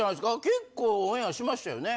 結構オンエアしましたよね？